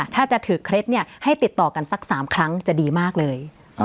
ถ้าจะถือเคล็ดเนี่ยให้ติดต่อกันสัก๓ครั้งจะดีมากเลย